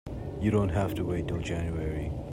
You don't have to wait till January.